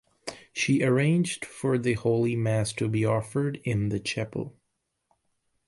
She arranged for the Holy Mass to be offered in the chapel.